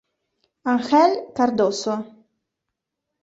Ángel Cardozo